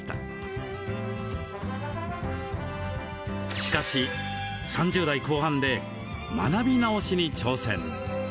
しかし、３０代後半で学び直しに挑戦。